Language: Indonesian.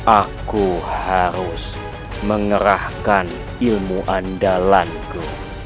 aku harus mengerahkan ilmu andalanku